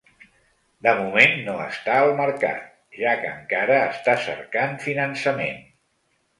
De moment no està al mercat, ja que encara està cercant finançament.